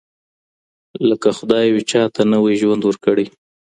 لکه خدای وي چاته نوی ژوند ورکړی